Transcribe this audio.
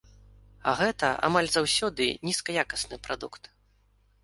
А гэта, амаль заўсёды, нізкаякасны прадукт.